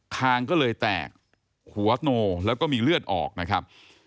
คางก็เลยแตกหัวโนแล้วก็มีเลือดออกนะครับ